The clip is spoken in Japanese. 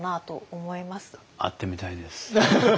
会ってみたいです。